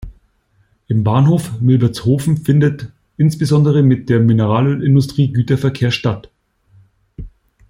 Im Bahnhof Milbertshofen findet insbesondere mit der Mineralölindustrie Güterverkehr statt.